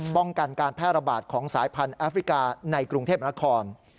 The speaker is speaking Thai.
ป้องกันการแพร่ระบาดของสายพันธุ์แอฟริกาในกรุงเทพนคร